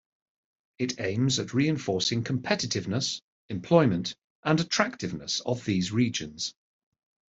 It aims at reinforcing competitiveness, employment and attractiveness of these regions.